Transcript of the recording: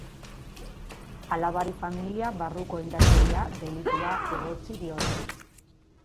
Alabari familia barruko indarkeria delitua egotzi diote.